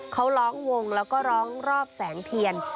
เขาร้องวงแล้วก็ร้องรอบแสงเทียน